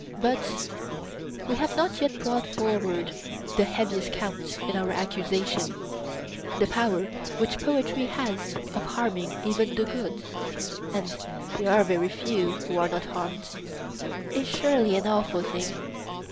But we have not yet brought forward the heaviest count in our accusation:—the power which poetry has of harming even the good (and there are very few who are not harmed), is surely an awful thing?